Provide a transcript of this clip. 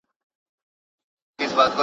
د وړې اوسپني زور نه لري لوېږي